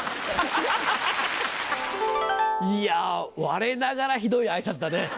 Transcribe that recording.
いや我ながらひどいあいさつだね。